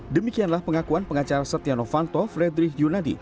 demikianlah pengakuan pengacara setiano vanto frederick yunadi